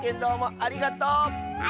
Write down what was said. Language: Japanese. ありがとう！